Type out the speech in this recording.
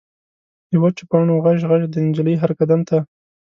د وچو پاڼو غژ، غژ، د نجلۍ هر قدم ته